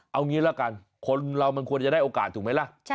เอางี้ละกันคนเรามันควรจะได้โอกาสถูกไหมล่ะ